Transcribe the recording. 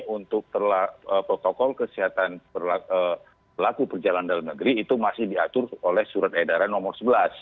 untuk protokol kesehatan pelaku perjalanan dalam negeri itu masih diatur oleh surat edaran nomor sebelas